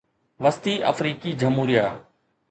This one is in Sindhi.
وسطي آفريقي جمهوريه